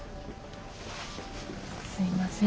すいません。